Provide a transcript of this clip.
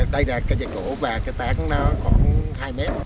đây là cây trà cổ và cây tán khoảng hai mét